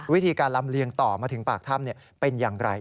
วิธีการลำเลียงต่อมาถึงปากถ้ำเป็นอย่างไร